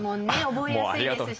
覚えやすいですしね。